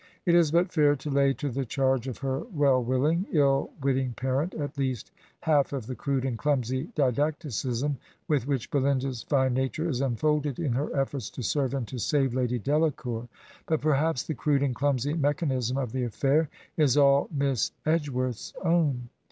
It is but fair to lay to the charge of her well willing, ill witting parent at least half of the crude and clumsy didacticism with which Belinda's fine nature is unfolded in her efforts to serve and to save Lady Delacour; but perhaps the crude and clumsy mechanism of the aflfgiir is all Miss Edgeworth's own.